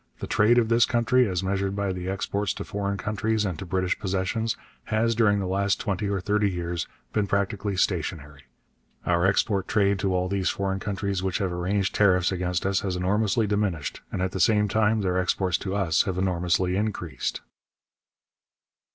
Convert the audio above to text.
The trade of this country, as measured by the exports to foreign countries and to British possessions, has during the last twenty or thirty years been practically stationary; our export trade to all these foreign countries which have arranged tariffs against us has enormously diminished, and at the same time their exports to us have enormously increased.'